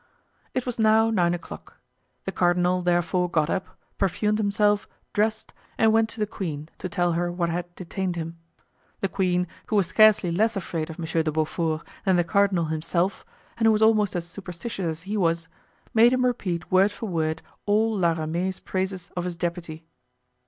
It was now nine o'clock. The cardinal, therefore, got up, perfumed himself, dressed, and went to the queen to tell her what had detained him. The queen, who was scarcely less afraid of Monsieur de Beaufort than the cardinal himself, and who was almost as superstitious as he was, made him repeat word for word all La Ramee's praises of his deputy.